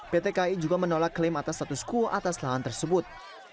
pt kai juga menolak klaim atas status quo atas lahan tersebut